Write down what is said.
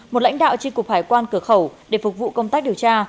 một lãnh đạo tri cục hải quan cửa khẩu để phục vụ công tác điều tra